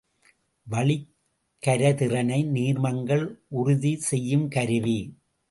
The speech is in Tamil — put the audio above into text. வளிக் கரைதிறனை நீர்மங்களில் உறுதி செய்யும் கருவி.